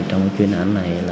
trong cái chuyên án này là